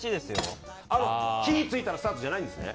火ついたらスタートじゃないんですね。